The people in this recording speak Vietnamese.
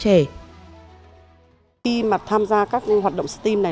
khi mà tham gia các hoạt động stem này